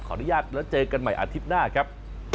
อนุญาตแล้วเจอกันใหม่อาทิตย์หน้าครับ